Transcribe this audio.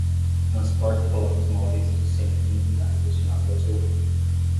Transporta e coloca os móveis do centro nos lugares destinados ao seu uso.